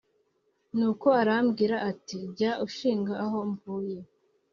nuko aramubwira ati: jya ushinga aho mvuye :